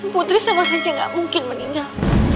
putri sama raja gak mungkin meninggal